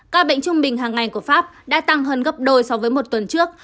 ca bệnh trung bình hàng ngày của pháp đã tăng hơn gấp đôi so với một tuần trước